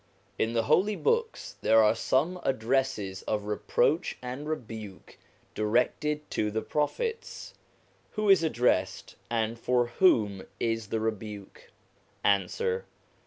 In the Holy Books there are some addresses of reproach and rebuke directed to the Prophets. Who is addressed, and for whom is the rebuke ? Answer.